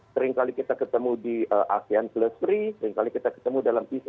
seringkali kita ketemu di asean plus three seringkali kita ketemu dalam east asia summit